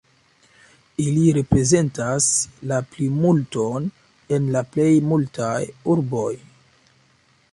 Ili reprezentas la plimulton en la plej multaj urboj.